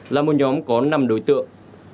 là một nhóm có năm đối tượng